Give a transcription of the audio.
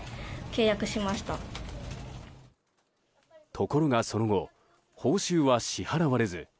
ところが、その後報酬は支払われず。